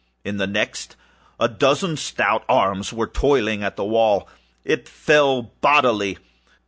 In the next, a dozen stout arms were toiling at the wall. It fell bodily.